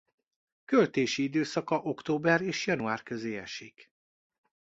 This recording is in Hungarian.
Költési időszaka október és január közé esik.